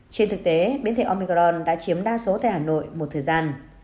trên thực tế biến thể omigan đã chiếm đa số tại hà nội một thời gian